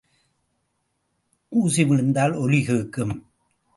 ஊசி விழுந்தால் ஒலி கேட்கும்.